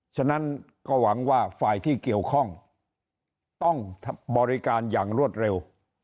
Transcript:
ฉะนั้นก็หวังว่าฝ่ายที่เกี่ยวข้องต้องบริการอย่างรวดเร็ว